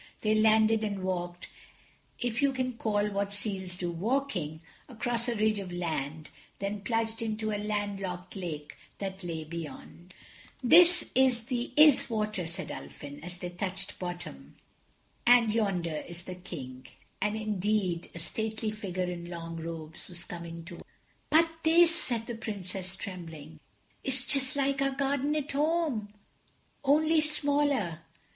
They landed, and walked—if you can call what seals do walking—across a ridge of land, then plunged into a landlocked lake that lay beyond. [Illustration: The chargers of the Horse Marines.] "This is the Iswater," said Ulfin as they touched bottom, "and yonder is the King." And indeed a stately figure in long robes was coming toward them. "But this," said the Princess, trembling, "is just like our garden at home, only smaller."